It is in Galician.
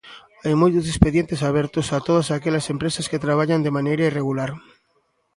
Hai moitos expedientes abertos a todas aquelas empresas que traballan de maneira irregular.